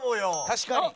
確かに。